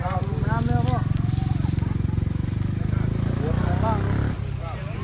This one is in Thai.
สวัสดีครับทุกคน